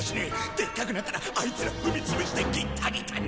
でっかくなったらあいつら踏み潰してギッタギタに！